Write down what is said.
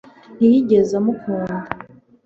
ntiyigeze amukunda